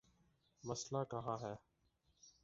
مسئلہ کہاں ہے؟